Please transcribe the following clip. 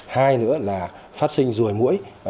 hai nữa là phát sinh rùi mũi